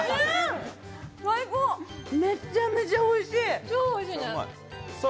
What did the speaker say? めちゃめちゃおいしい！